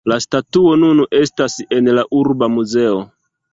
La statuo nun estas en la urba muzeo.